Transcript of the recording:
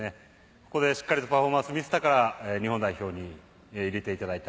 ここでしっかりとパフォーマンスを見せたから日本代表に入れていただいた。